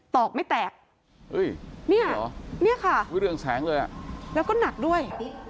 ตอกไม่แตกนี่ค่ะเรืองแสงเลยแล้วก็หนักด้วย